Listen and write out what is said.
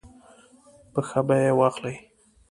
په ښه بیه یې واخلي.